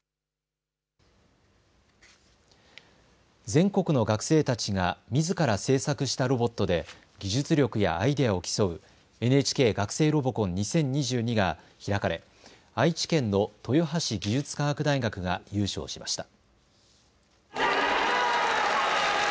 全国の学生たちがみずから製作したロボットで技術力やアイデアを競うＮＨＫ学生ロボコン２０２２が開かれ愛知県の豊橋技術科学大学が優勝しました。